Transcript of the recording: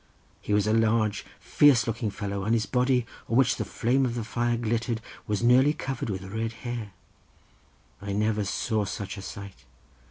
He was a large fierce looking fellow, and his body, on which the flame of the fire glittered, was nearly covered with red hair. I never saw such a sight.